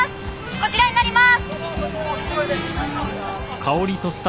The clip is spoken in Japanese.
こちらになりまーす！